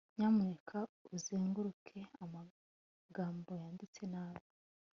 Nyamuneka uzenguruke amagambo yanditse nabi